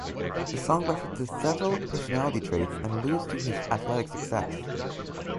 The song references several personality traits and alludes to his athletic success.